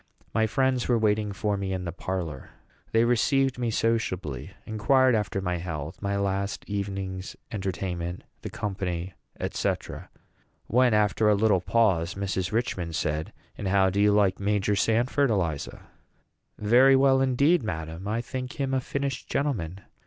My friends were waiting for me in their parlor. They received me sociably, inquired after my health, my last evening's entertainment, the company, &c. when, after a little pause, Mrs. Richman said, "And how do you like Major Sanford, Eliza?" "Very well indeed, madam; I think him a finished gentleman.